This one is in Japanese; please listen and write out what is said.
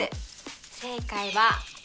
正解は２！